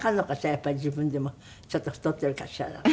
やっぱり自分でもちょっと太っているかしらなんて。